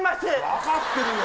分かってるよ。